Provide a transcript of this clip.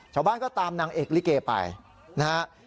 ชาวบ้านก็ตามนางเอกลิเกไปนะฮะ